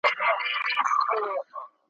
مړې که دا ډېوې کړو میخانې که خلوتون کړو `